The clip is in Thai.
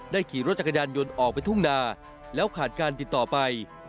ขี่รถจักรยานยนต์ออกไปทุ่งนาแล้วขาดการติดต่อไป